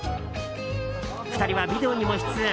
２人はビデオにも出演。